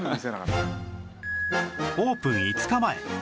オープン５日前